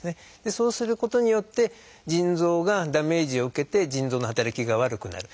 そうすることによって腎臓がダメージを受けて腎臓の働きが悪くなる。